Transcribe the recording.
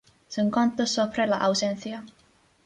Son cantos sobre la ausencia.